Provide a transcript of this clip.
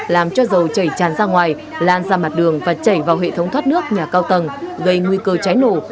làm cho dầu chảy tràn ra ngoài lan ra mặt đường và chảy vào hệ thống thoát nước nhà cao tầng gây nguy cơ cháy nổ